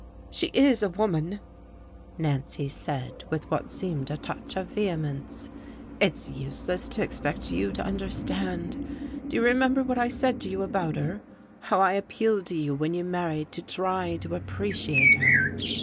"She is a woman," Nancy said, with what seemed a touch of vehemence. "It's useless to expect you to understand.... Do you remember what I said to you about her? How I appealed to you when you married to try to appreciate her?"